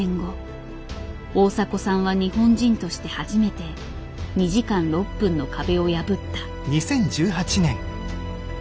大迫さんは日本人として初めて２時間６分の壁を破った。